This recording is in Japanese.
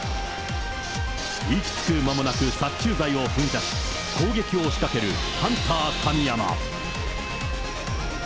息つく間もなく、殺虫剤を噴射し、攻撃を仕掛けるハンター神山。